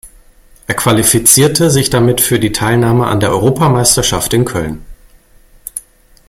Er qualifizierte sich damit für die Teilnahme an der Europameisterschaft in Köln.